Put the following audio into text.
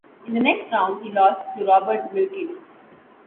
In the next round he lost to Robert Milkins.